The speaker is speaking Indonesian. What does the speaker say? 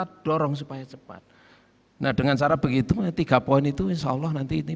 kelorong supaya cepat nah dengan cara begitu tiga poin itu insyaallah nanti ini